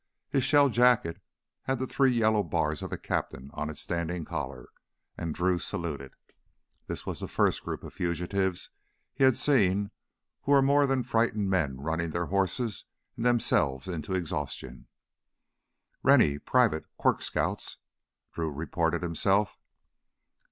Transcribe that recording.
His shell jacket had the three yellow bars of a captain on its standing collar, and Drew saluted. This was the first group of fugitives he had seen who were more than frightened men running their horses and themselves into exhaustion. "Rennie, Private, Quirk's Scouts," Drew reported himself.